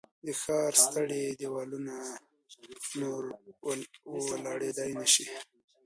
د ښار ستړي دیوالونه یې نور وړلای نه شي